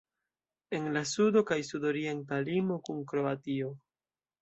En la sudo kaj sudorienta limo kun Kroatio.